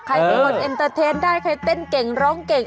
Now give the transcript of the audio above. ใครเป็นคนทดมือใครเต้นเก่งร้องเก่ง